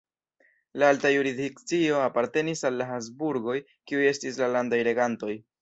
La alta jurisdikcio apartenis al la Habsburgoj, kiuj estis la landaj regantoj.